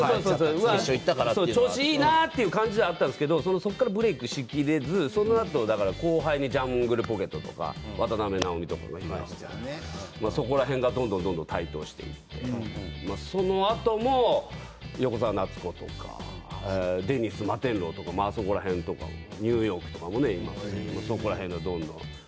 調子いいなという感じではあったんですけど、そこからブレークしきれず、その後後輩にジャングルポケットや渡辺直美とか、そこら辺がどんどんどんどん台頭してきてそのあとも横澤夏子とかデニスマテンロウ、ニューヨークとかそこら辺がどんどん。